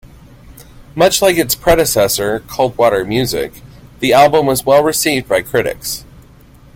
Much like its predecessor, Cold Water Music, the album was well received by critics.